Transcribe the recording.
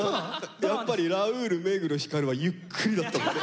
やっぱりラウール目黒照はゆっくりだったもんね。